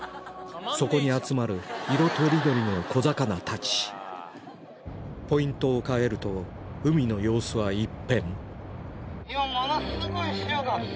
そこに集まる色とりどりの小魚たちポイントを変えると海の様子は一変